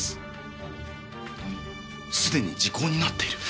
すでに時効になっている！